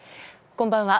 こんばんは。